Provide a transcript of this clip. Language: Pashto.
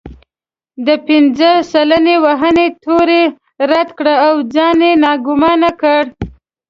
د پنځه سلنه وهنې تور يې رد کړ او ځان يې ناګومانه کړ.